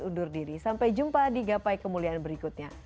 undur diri sampai jumpa di gapai kemuliaan berikutnya